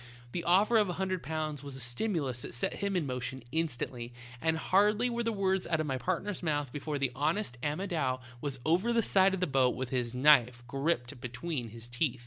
The offer of a hundred pounds was a stimulus that set him in motion instantly, and hardly were the words out of my partner's mouth before the = honest Amodou was over the side of the boat with his knife gripped between his teeth.